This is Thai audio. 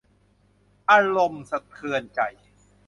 อารมณ์สะเทือนใจ